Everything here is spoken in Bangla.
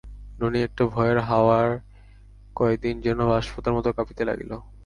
ননি একটা ভয়ের হাওয়ায় কয়দিন যেন বাঁশপাতার মতো কাঁপিতে লাগিল।